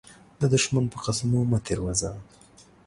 د دښمن په قسمو مه تير وزه.